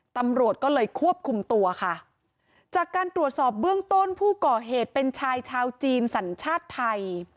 ตำรวจก็เลยควบคุมตัวค่ะจากการตรวจสอบเบื้องต้นผู้ก่อเหตุเป็นชายชาวจีนสัญชาติไทย